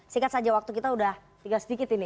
sikat saja waktu kita sudah tiga sedikit ini